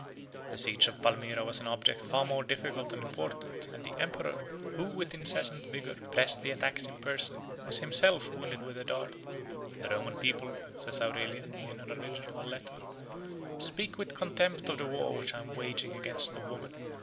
The siege of Palmyra was an object far more difficult and important, and the emperor, who, with incessant vigor, pressed the attacks in person, was himself wounded with a dart. "The Roman people," says Aurelian, in an original letter, "speak with contempt of the war which I am waging against a woman.